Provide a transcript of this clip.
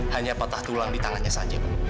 hanya patah tulang di tangannya saja bu